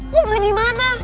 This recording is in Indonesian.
gue pengen di mana